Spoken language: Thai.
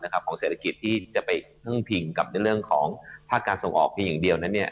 ของเศรษฐกิจที่จะไปพึ่งพิงกับในเรื่องของภาคการส่งออกเพียงอย่างเดียวนั้น